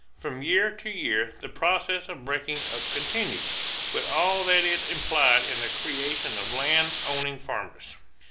From year to year the process of breaking up continued, with all that it implied in the creation of land owning farmers.